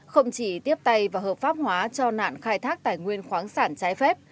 không chỉ tiếp tay và hợp pháp hóa cho nạn khai thác tài nguyên khoáng sản trái phép